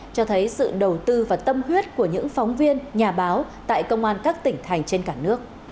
cho thấy sự đầu tư và tâm huyết của những phóng viên nhà báo tại công an các tỉnh thành trên cả nước